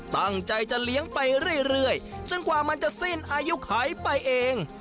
ตั้งใจจะเลี้ยงไปเรื่อยจนกว่ามันจะสิ้นอายุไขไปเอง